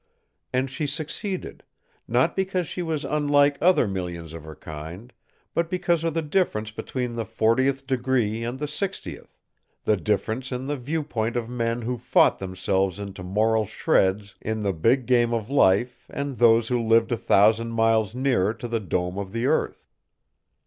And she succeeded, not because she was unlike other millions of her kind, but because of the difference between the fortieth degree and the sixtieth the difference in the viewpoint of men who fought themselves into moral shreds in the big game of life and those who lived a thousand miles nearer to the dome of the earth.